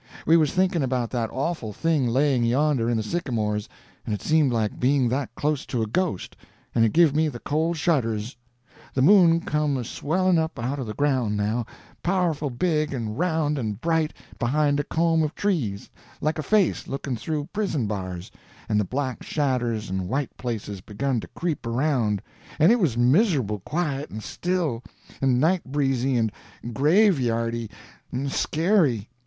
We was thinking of that awful thing laying yonder in the sycamores, and it seemed like being that close to a ghost, and it give me the cold shudders. The moon come a swelling up out of the ground, now, powerful big and round and bright, behind a comb of trees, like a face looking through prison bars, and the black shadders and white places begun to creep around, and it was miserable quiet and still and night breezy and graveyardy and scary.